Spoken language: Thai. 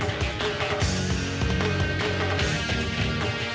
โอ้โอ้โอ้โอ้